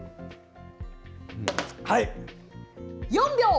４秒！